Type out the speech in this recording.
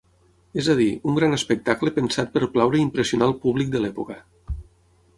És a dir, un gran espectacle pensat per plaure i impressionar el públic de l'època.